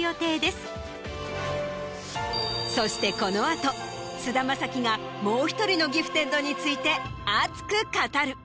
そしてこの後菅田将暉がもう１人のギフテッドについて熱く語る。